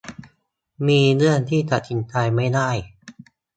มีเรื่องที่ตัดสินใจไม่ได้